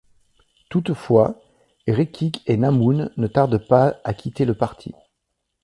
Toutefois, Rekik et Naâmoun ne tardent pas à quitter le parti.